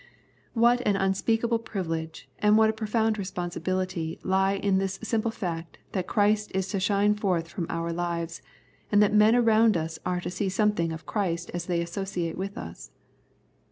What an unspeakable privilege and what a profound responsibility lie in this simple fact that Christ is to shine forth from our lives, and that men around us are to see something of Christ as they associate with us.